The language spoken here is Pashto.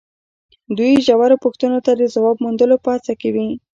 دوی ژورو پوښتنو ته د ځواب موندلو په هڅه کې وي.